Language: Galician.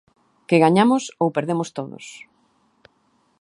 Que gañamos ou perdemos todos.